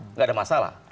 enggak ada masalah